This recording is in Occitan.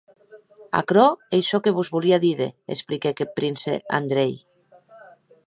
Aquerò ei çò que vos volia díder, expliquèc eth prince Andrei.